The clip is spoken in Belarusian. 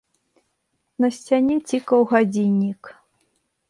На сцяне цікаў гадзіннік.